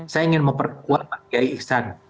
saya ingin memperkuat pak kiai iksan